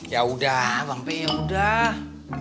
yaudah bang p i yaudah